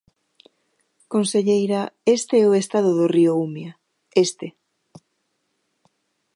Conselleira, este é o estado do río Umia, este.